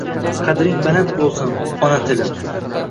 “Qadring baland bo‘lsin, ona tilim”